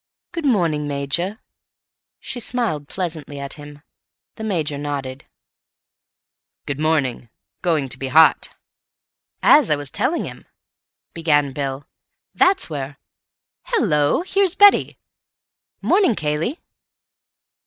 Good morning, Major." She smiled pleasantly at him. The Major nodded. "Good morning. Going to be hot." "As I was telling him," began Bill, "that's where—Hallo, here's Betty. Morning, Cayley."